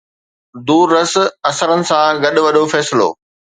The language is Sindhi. دور رس اثرن سان گڏ وڏو فيصلو.